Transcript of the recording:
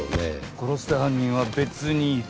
殺した犯人は別にいた。